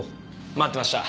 待ってました。